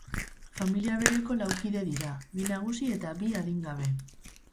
Familia bereko lau kide dira, bi nagusi eta bi adingabe.